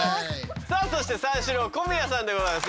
さあそして三四郎小宮さんでございます。